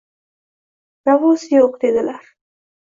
Navosi yoʼq!» – dedilar.